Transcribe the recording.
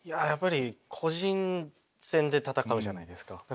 やっぱり個人戦で戦うじゃないですか。